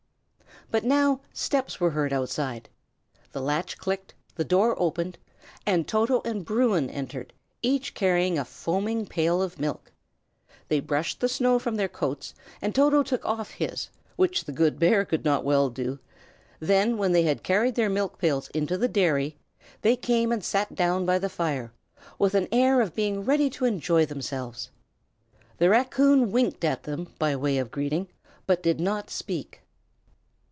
But now steps were heard outside. The latch clicked, the door opened, and Toto and Bruin entered, each carrying a foaming pail of milk. They brushed the snow from their coats, and Toto took off his, which the good bear could not well do; then, when they had carried their milk pails into the dairy, they came and sat down by the fire, with an air of being ready to enjoy themselves. The raccoon winked at them by way of greeting, but did not speak.